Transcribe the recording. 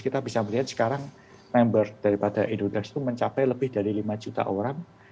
kita bisa melihat sekarang member daripada indonesia itu mencapai lebih dari lima juta orang